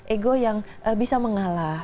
ego yang bisa mengalah